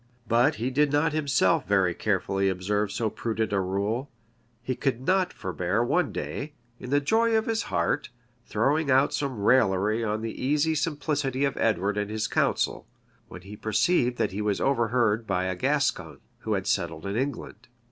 But he did not himself very carefully observe so prudent a rule: he could not forbear, one day, in the joy of his heart, throwing out some raillery on the easy simplicity of Edward and his council; when he perceived that he was overheard by a Gascon, who had settled in England.